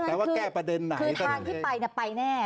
แต่ว่าแก้ประเด็นไหนคือทางที่ไปไปแน่